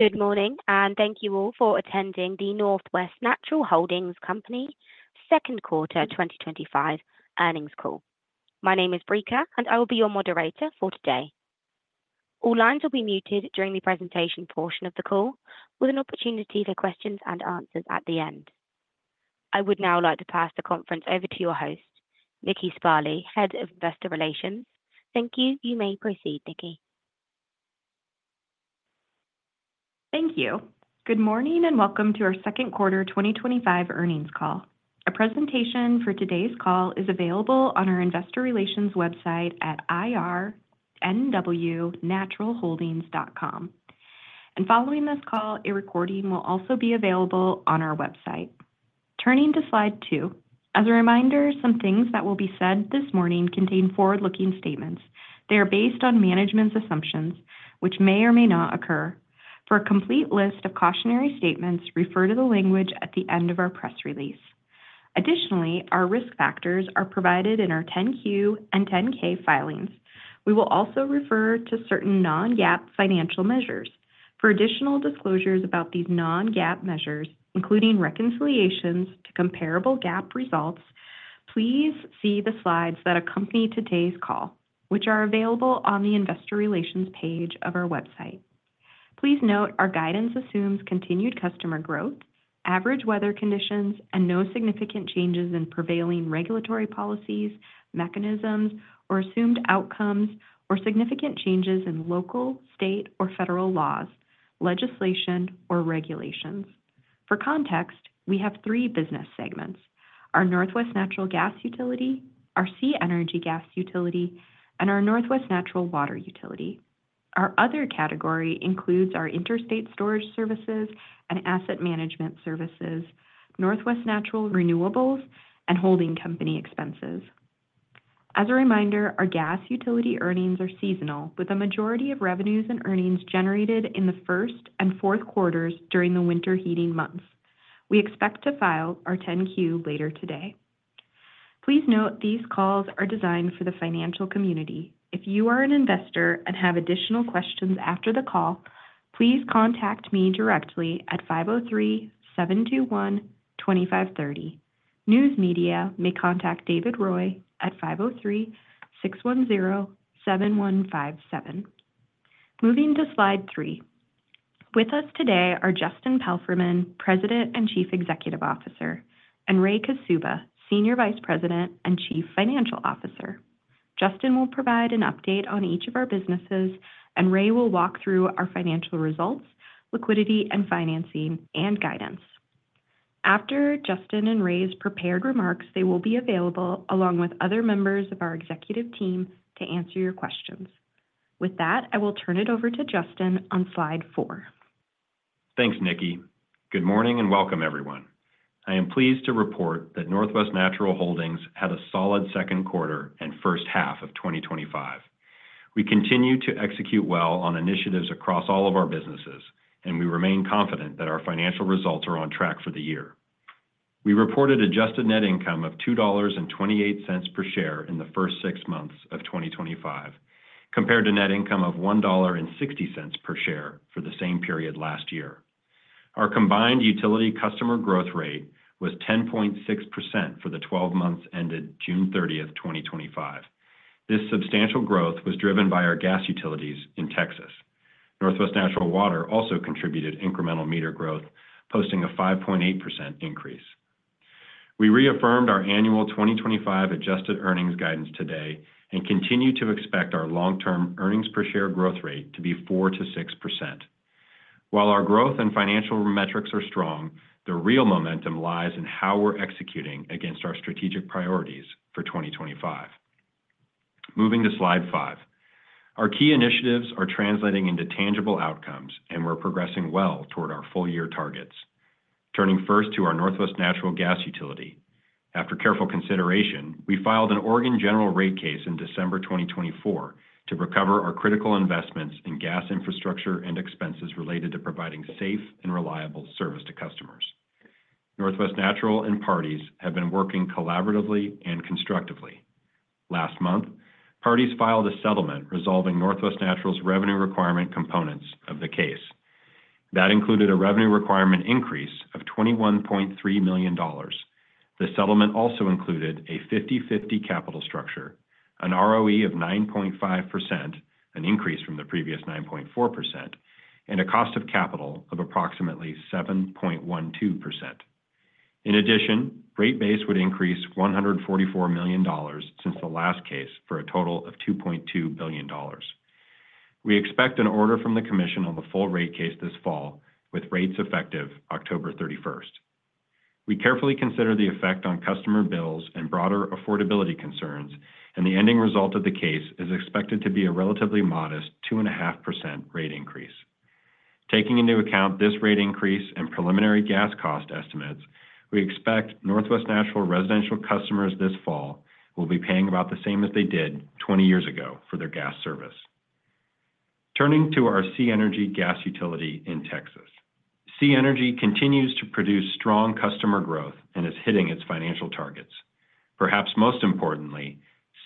Good morning and thank you all for attending the Northwest Natural Holding Company's Second Quarter 2025 Earnings Call. My name is Brika, and I will be your moderator for today. All lines will be muted during the presentation portion of the call, with an opportunity for questions and answers at the end. I would now like to pass the conference over to your host, Nikki Sparley, Head of Investor Relations. Thank you. You may proceed, Nikki. Thank you. Good morning and welcome to our second quarter 2025 earnings call. A presentation for today's call is available on our investor relations website at irnwnaturalholdings.com. Following this call, a recording will also be available on our website. Turning to slide two, as a reminder, some things that will be said this morning contain forward-looking statements. They are based on management's assumptions, which may or may not occur. For a complete list of cautionary statements, refer to the language at the end of our press release. Additionally, our risk factors are provided in our 10-Q and 10-K filings. We will also refer to certain non-GAAP financial measures. For additional disclosures about these non-GAAP measures, including reconciliations to comparable GAAP results, please see the slides that accompany today's call, which are available on the investor relations page of our website. Please note our guidance assumes continued customer growth, average weather conditions, and no significant changes in prevailing regulatory policies, mechanisms, or assumed outcomes, or significant changes in local, state, or federal laws, legislation, or regulations. For context, we have three business segments: our Northwest Natural Gas Utility, our SiEnergy Gas Utility, and our Northwest Natural Water Utility. Our other category includes our interstate storage services and asset management services, Northwest Natural Renewables, and holding company expenses. As a reminder, our gas utility earnings are seasonal, with a majority of revenues and earnings generated in the first and fourth quarters during the winter heating months. We expect to file our 10-Q later today. Please note these calls are designed for the financial community. If you are an investor and have additional questions after the call, please contact me directly at 503-721-2530. News media may contact David Roy at 503-610-7157. Moving to slide three. With us today are Justin Palfreyman, President and Chief Executive Officer, and Raymond J. Kaszuba, Senior Vice President and Chief Financial Officer. Justin will provide an update on each of our businesses, and Raymond will walk through our financial results, liquidity and financing, and guidance. After Justin and Raymond's prepared remarks, they will be available along with other members of our executive team to answer your questions. With that, I will turn it over to Justin on slide four. Thanks, Nikki. Good morning and welcome, everyone. I am pleased to report that Northwest Natural Holding Company had a solid second quarter and first half of 2025. We continue to execute well on initiatives across all of our businesses, and we remain confident that our financial results are on track for the year. We reported adjusted net income of $2.28 per share in the first six months of 2025, compared to net income of $1.60 per share for the same period last year. Our combined utility customer growth rate was 10.6% for the 12 months ended June 30, 2025. This substantial growth was driven by our gas utilities in Texas. Northwest Natural Water also contributed incremental meter growth, posting a 5.8% increase. We reaffirmed our annual 2025 adjusted earnings guidance today and continue to expect our long-term earnings per share growth rate to be 4%-6%. While our growth and financial metrics are strong, the real momentum lies in how we're executing against our strategic priorities for 2025. Moving to slide five, our key initiatives are translating into tangible outcomes, and we're progressing well toward our full-year targets. Turning first to our Northwest Natural Gas Utility. After careful consideration, we filed an Oregon general rate case in December 2024 to recover our critical investments in gas infrastructure and expenses related to providing safe and reliable service to customers. Northwest Natural and parties have been working collaboratively and constructively. Last month, parties filed a settlement resolving Northwest Natural's revenue requirement components of the case. That included a revenue requirement increase of $21.3 million. The settlement also included a 50/50 capital structure, an ROE of 9.5%, an increase from the previous 9.4%, and a cost of capital of approximately 7.12%. In addition, rate base would increase $144 million since the last case for a total of $2.2 billion. We expect an order from the Commission on the full rate case this fall, with rates effective October 31. We carefully consider the effect on customer bills and broader affordability concerns, and the ending result of the case is expected to be a relatively modest 2.5% rate increase. Taking into account this rate increase and preliminary gas cost estimates, we expect Northwest Natural residential customers this fall will be paying about the same as they did 20 years ago for their gas service. Turning to our SiEnergy Gas Utility in Texas. SiEnergy continues to produce strong customer growth and is hitting its financial targets. Perhaps most importantly,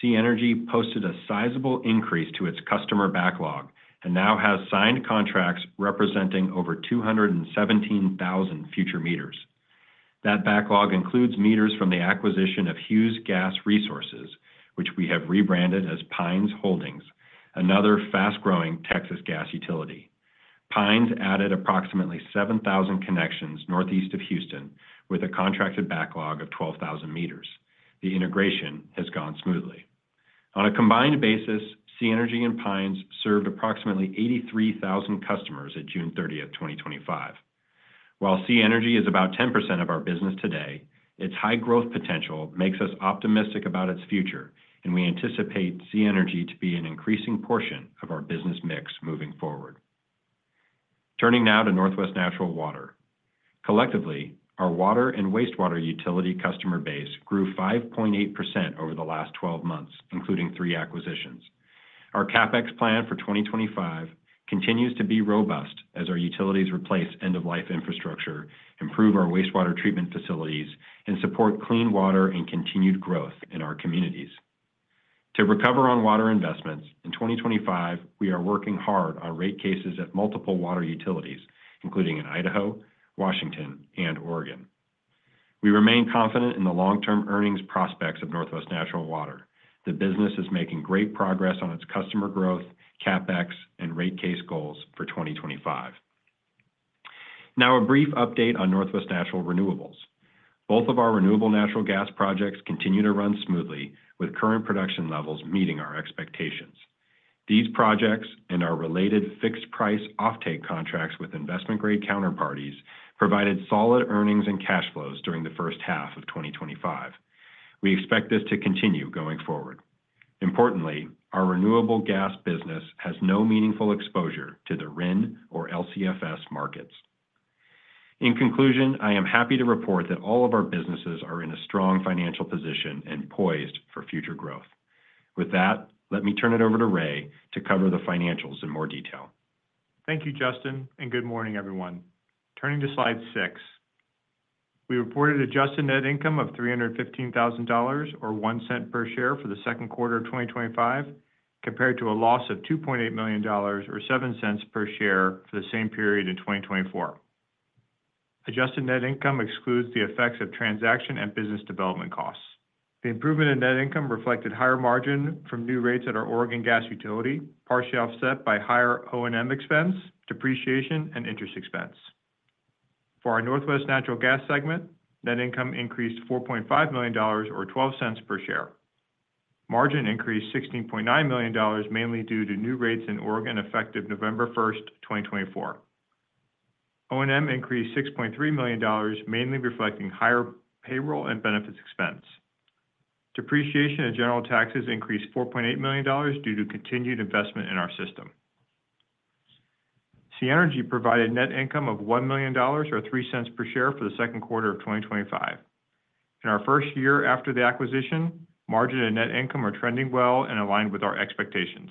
SiEnergy posted a sizable increase to its customer backlog and now has signed contracts representing over 217,000 future meters. That backlog includes meters from the acquisition of Hughes Gas Resources, which we have rebranded as Pines Holdings, another fast-growing Texas gas utility. Pines added approximately 7,000 connections northeast of Houston with a contracted backlog of 12,000 meters. The integration has gone smoothly. On a combined basis, SiEnergy and Pines served approximately 83,000 customers at June 30, 2025. While SiEnergy is about 10% of our business today, its high growth potential makes us optimistic about its future, and we anticipate SiEnergy to be an increasing portion of our business mix moving forward. Turning now to Northwest Natural Water. Collectively, our water and wastewater utility customer base grew 5.8% over the last 12 months, including three acquisitions. Our CapEx plan for 2025 continues to be robust as our utilities replace end-of-life infrastructure, improve our wastewater treatment facilities, and support clean water and continued growth in our communities. To recover on water investments, in 2025, we are working hard on rate cases at multiple water utilities, including in Idaho, Washington, and Oregon. We remain confident in the long-term earnings prospects of Northwest Natural Water. The business is making great progress on its customer growth, CapEx, and rate case goals for 2025. Now, a brief update on Northwest Natural Renewables. Both of our renewable natural gas projects continue to run smoothly, with current production levels meeting our expectations. These projects and our related fixed-price offtake contracts with investment-grade counterparties provided solid earnings and cash flows during the first half of 2025. We expect this to continue going forward. Importantly, our renewable gas business has no meaningful exposure to the RIN or LCFS markets. In conclusion, I am happy to report that all of our businesses are in a strong financial position and poised for future growth. With that, let me turn it over to Ray to cover the financials in more detail. Thank you, Justin, and good morning, everyone. Turning to slide six, we reported adjusted net income of $315,000 or $0.01 per share for the second quarter of 2025, compared to a loss of $2.8 million or $0.07 per share for the same period in 2024. Adjusted net income excludes the effects of transaction and business development costs. The improvement in net income reflected higher margin from new rates at our Oregon Gas Utility, partially offset by higher O&M expense, depreciation, and interest expense. For our Northwest Natural Gas Utility segment, net income increased $4.5 million or $0.12 per share. Margin increased $16.9 million, mainly due to new rates in Oregon effective November 1, 2024. O&M increased $6.3 million, mainly reflecting higher payroll and benefits expense. Depreciation and general taxes increased $4.8 million due to continued investment in our system. SiEnergy provided net income of $1 million or $0.03 per share for the second quarter of 2025. In our first year after the acquisition, margin and net income are trending well and aligned with our expectations.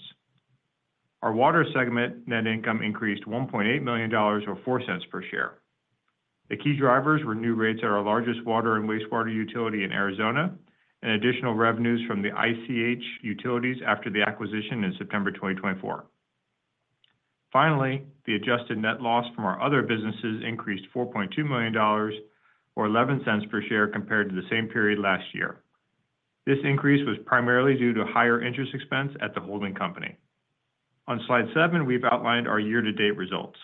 Our water segment net income increased $1.8 million or $0.04 per share. The key drivers were new rates at our largest water and wastewater utility in Arizona and additional revenues from the ICH utilities after the acquisition in September 2024. Finally, the adjusted net loss from our other businesses increased $4.2 million or $0.11 per share compared to the same period last year. This increase was primarily due to higher interest expense at the holding company. On slide seven, we've outlined our year-to-date results.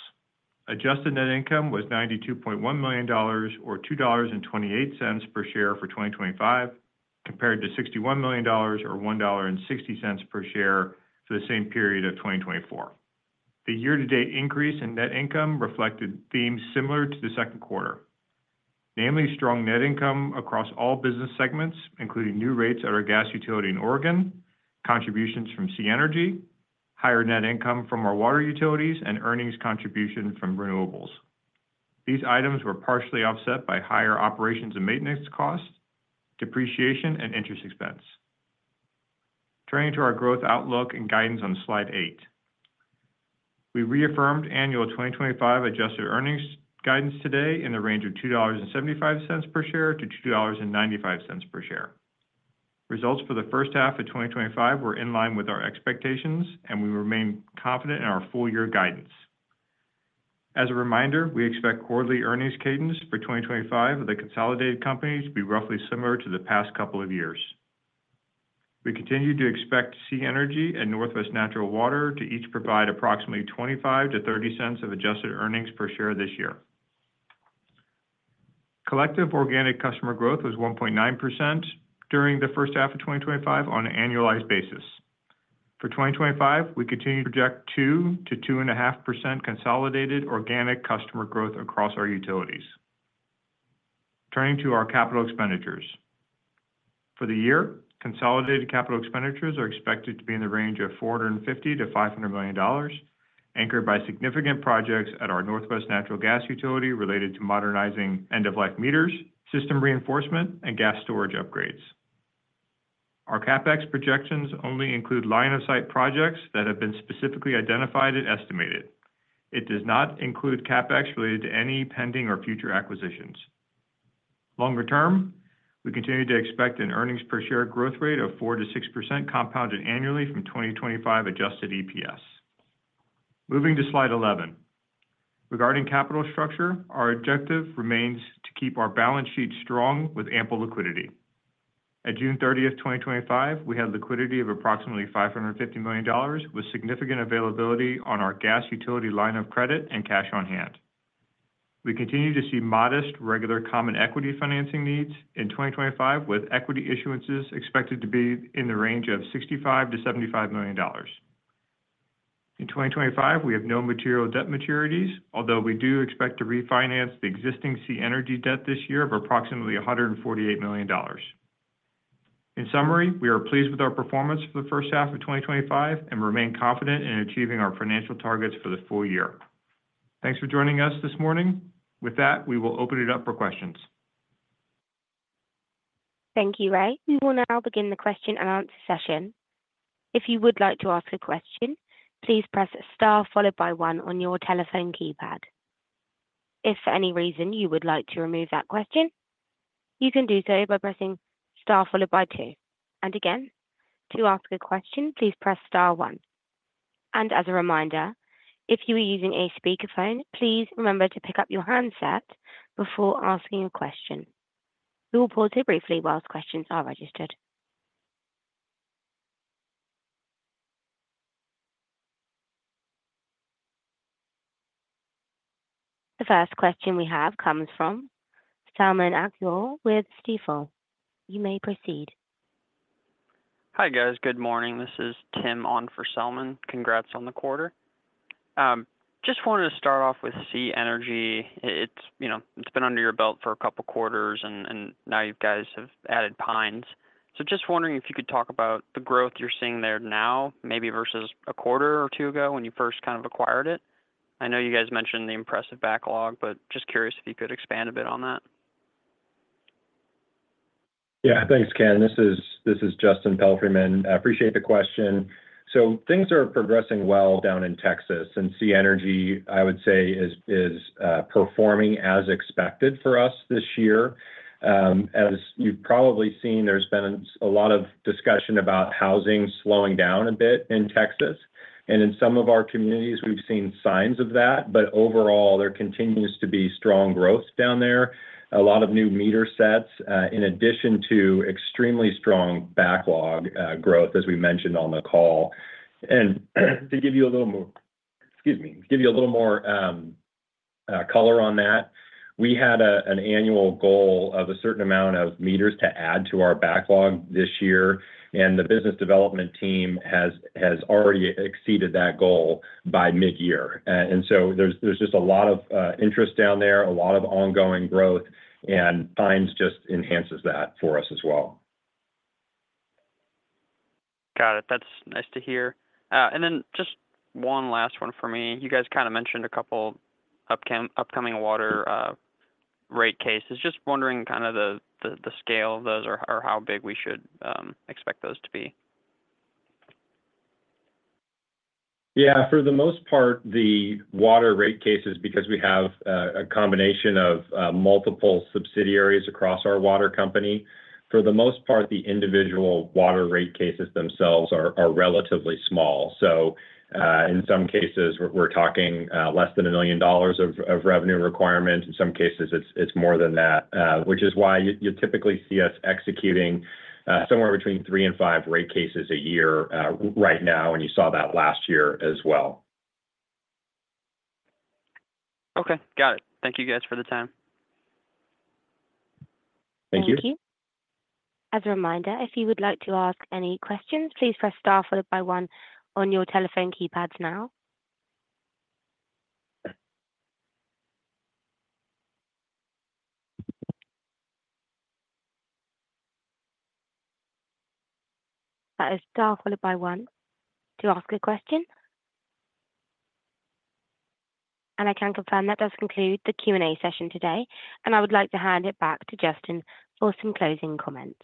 Adjusted net income was $92.1 million or $2.28 per share for 2025, compared to $61 million or $1.60 per share for the same period of 2024. The year-to-date increase in net income reflected themes similar to the second quarter, namely strong net income across all business segments, including new rates at our gas utility in Oregon, contributions from SiEnergy, higher net income from our water utilities, and earnings contribution from renewables. These items were partially offset by higher operations and maintenance costs, depreciation, and interest expense. Turning to our growth outlook and guidance on slide eight, we reaffirmed annual 2025 adjusted earnings guidance today in the range of $2.75 per share to $2.95 per share. Results for the first half of 2025 were in line with our expectations, and we remain confident in our full-year guidance. As a reminder, we expect quarterly earnings cadence for 2025 of the consolidated company to be roughly similar to the past couple of years. We continue to expect SiEnergy and Northwest Natural Water to each provide approximately $0.25-$0.30 of adjusted earnings per share this year. Collective organic customer growth was 1.9% during the first half of 2025 on an annualized basis. For 2025, we continue to project 2%-2.5% consolidated organic customer growth across our utilities. Turning to our capital expenditures, for the year, consolidated capital expenditures are expected to be in the range of $450 million-$500 million, anchored by significant projects at our Northwest Natural Gas Utility related to modernizing end-of-life meters, system reinforcement, and gas storage upgrades. Our CapEx projections only include line-of-sight projects that have been specifically identified and estimated. It does not include CapEx related to any pending or future acquisitions. Longer term, we continue to expect an earnings per share growth rate of 4% to 6% compounded annually from 2025 adjusted EPS. Moving to slide 11, regarding capital structure, our objective remains to keep our balance sheet strong with ample liquidity. At June 30, 2025, we had liquidity of approximately $550 million with significant availability on our gas utility line of credit and cash on hand. We continue to see modest regular common equity financing needs in 2025, with equity issuances expected to be in the range of $65 million-$75 million. In 2025, we have no material debt maturities, although we do expect to refinance the existing SiEnergy debt this year of approximately $148 million. In summary, we are pleased with our performance for the first half of 2025 and remain confident in achieving our financial targets for the full year. Thanks for joining us this morning. With that, we will open it up for questions. Thank you, Ray. We will now begin the question and answer session. If you would like to ask a question, please press star followed by one on your telephone keypad. If for any reason you would like to remove that question, you can do so by pressing star followed by two. To ask a question, please press star one. As a reminder, if you are using a speakerphone, please remember to pick up your handset before asking a question. We will pause here briefly whilst questions are registered. The first question we have comes from Selman Akyol with Stifel. You may proceed. Hi guys, good morning. This is Tim on for Salman. Congrats on the quarter. Just wanted to start off with SiEnergy. It's been under your belt for a couple of quarters and now you guys have added Pines. Just wondering if you could talk about the growth you're seeing there now, maybe versus a quarter or two ago when you first kind of acquired it. I know you guys mentioned the impressive backlog, but just curious if you could expand a bit on that. Yeah, thanks Ken. This is Justin Palfreyman. I appreciate the question. Things are progressing well down in Texas and SiEnergy, I would say, is performing as expected for us this year. As you've probably seen, there's been a lot of discussion about housing slowing down a bit in Texas. In some of our communities, we've seen signs of that, but overall there continues to be strong growth down there. A lot of new meter sets, in addition to extremely strong backlog growth, as we mentioned on the call. To give you a little more color on that, we had an annual goal of a certain amount of meters to add to our backlog this year, and the business development team has already exceeded that goal by mid-year. There's just a lot of interest down there, a lot of ongoing growth, and Pines just enhances that for us as well. Got it. That's nice to hear. Just one last one for me. You guys kind of mentioned a couple upcoming water rate cases. Just wondering kind of the scale of those or how big we should expect those to be. For the most part, the water rate cases, because we have a combination of multiple subsidiaries across our water company, for the most part, the individual water rate cases themselves are relatively small. In some cases, we're talking less than $1 million of revenue requirement. In some cases, it's more than that, which is why you typically see us executing somewhere between three and five rate cases a year right now, and you saw that last year as well. Okay, got it. Thank you guys for the time. Thank you. Thank you. As a reminder, if you would like to ask any questions, please press star followed by one on your telephone keypads now. That is star followed by one to ask a question. I can confirm that does conclude the Q&A session today. I would like to hand it back to Justin for some closing comments.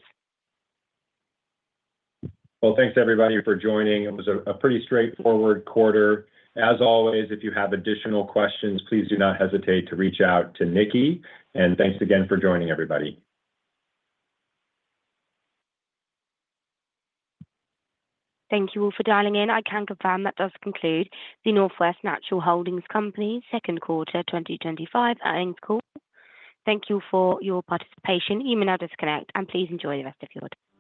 Thank you everybody for joining. It was a pretty straightforward quarter. As always, if you have additional questions, please do not hesitate to reach out to Nikki. Thank you again for joining everybody. Thank you all for dialing in. I can confirm that does conclude the Northwest Natural Holding Company's Second Quarter 2025 Earnings Call. Thank you for your participation. You may now disconnect, and please enjoy the rest of your day.